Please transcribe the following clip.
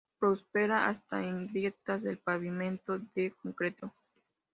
Prospera hasta en grietas del pavimento de concreto.